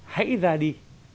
hãy ra đi